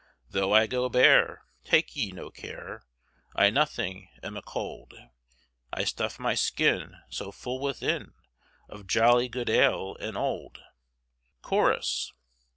Though I go bare, take ye no care, I nothing am a colde, I stuff my skyn so full within, Of joly good ale and olde. Chorus.